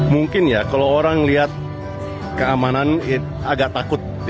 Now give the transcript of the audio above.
mungkin ya kalau orang lihat keamanan agak takut